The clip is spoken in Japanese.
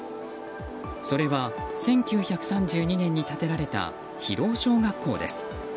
それは１９３２年に建てられた広尾小学校です。